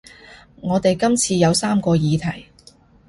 我哋今次有三個議題